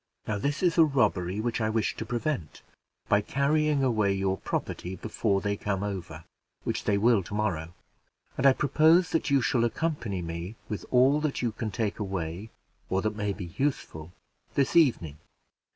Now this is a robbery which I wish to prevent, by carrying away your property before they come over, which they will to morrow; and I propose that you shall accompany me, with all that you can take away, or that may be useful, this evening."